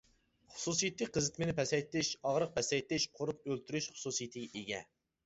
خۇسۇسىيىتى قىزىتمىنى پەسەيتىش، ئاغرىق پەسەيتىش، قۇرت ئۆلتۈرۈش خۇسۇسىيىتىگە ئىگە.